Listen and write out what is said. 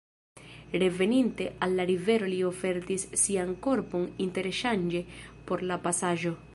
Reveninte al la rivero li ofertis sian korpon interŝanĝe por la pasaĵo.